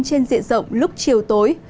trên diện rộng lúc chiều tối